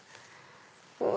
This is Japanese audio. うわ